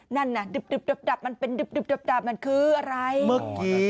นั่นน่ะดึบมันเป็นดึบมันคืออะไร